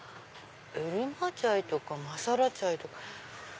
「エルマチャイ」とか「マサラチャイ」とか。